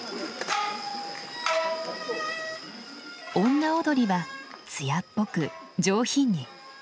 女踊りは艶っぽく上品に。